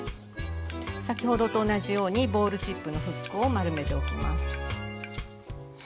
先ほどと同じようにボールチップのフックを丸めておきます。